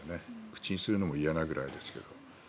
口にするのも嫌なぐらいですけど。